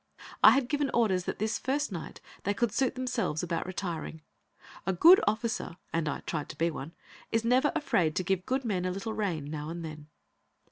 I had given orders that this first night they could suit themselves about retiring; a good officer, and I tried to be one, is never afraid to give good men a little rein, now and then.